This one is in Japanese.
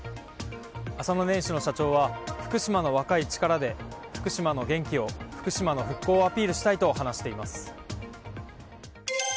浅野撚糸の社長は福島の若い力で福島の元気を福島の復興をアピールしたいと話しています。